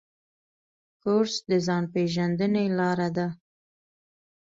کورس د ځان پېژندنې لاره ده.